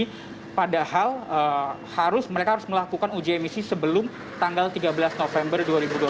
jadi padahal mereka harus melakukan uji emisi sebelum tanggal tiga belas november dua ribu dua puluh